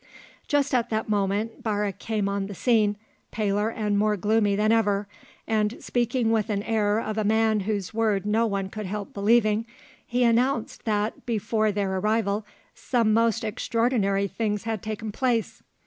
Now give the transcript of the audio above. Just at that moment Barre came on the scene, paler and more gloomy than ever, and speaking with the air of a man whose word no one could help believing, he announced that before their arrival some most extraordinary things had taken place.